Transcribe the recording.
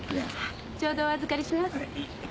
ちょうどお預かりします。